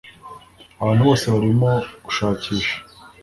abantu bose barimo gushakisha